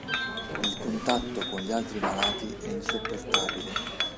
Il contatto con gli altri malati è insopportabile.